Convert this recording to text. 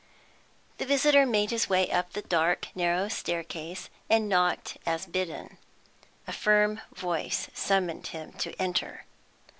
The visitor made his way up the dark, narrow stair case, and knocked as bidden. A firm voice summoned him to enter.